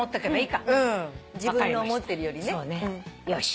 よし。